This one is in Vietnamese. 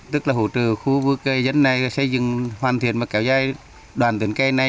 tức là hỗ trợ khu vực dân này xây dựng hoàn thiện và kéo dài đoàn tấn cây này